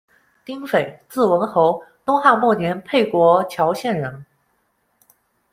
丁斐，字文侯，东汉末年沛国谯县人。